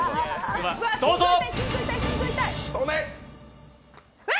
うわ！